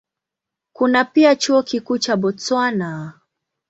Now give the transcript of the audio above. Kuna pia Chuo Kikuu cha Botswana.